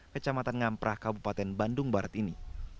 kecamatan ngamprah kabupaten bandung barat ini